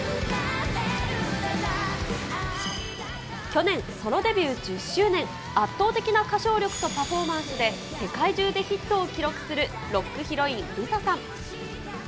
去年、ソロデビュー１０周年、圧倒的な歌唱力とパフォーマンスで、世界中でヒットを記録するロックヒロイン、ＬｉＳＡさん。